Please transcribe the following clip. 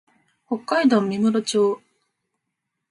北海道芽室町